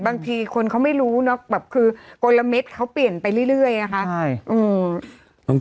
บางทีคนเขาไม่รู้เนอะแบบคือกลมเขาเปลี่ยนไปเรื่อยนะคะใช่อืม